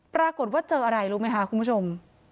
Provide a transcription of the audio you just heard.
ปรากฏว่าเจออะไรรู้ไหมคะคุณผู้ชม